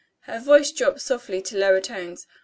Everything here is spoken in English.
Her voice dropped softly to lower tones.